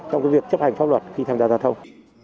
trong việc chấp hành pháp luật khi tham gia giao thông